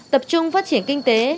tập trung phát triển kinh tế